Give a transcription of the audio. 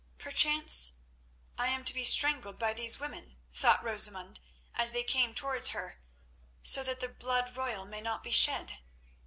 "Perchance I am to be strangled by these women," thought Rosamund, as they came towards her, "so that the blood royal may not be shed."